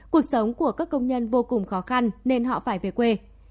cuộc sống của các công nhân vô cùng khó khăn nên họ phải về quê